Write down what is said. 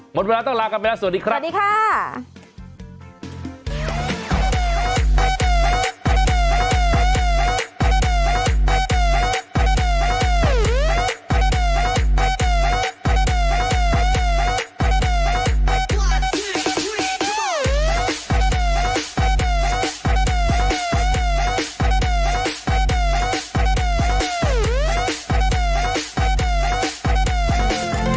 หมดเวลาต้องลากันไปแล้วสวัสดีครับ